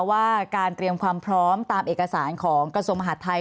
ว่าการเตรียมความพร้อมตามเอกสารของกระทรวงมหาดไทย